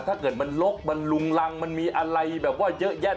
ถ้าเกิดมันลกมันลุงรังมันมีอะไรแบบว่าเยอะแยะ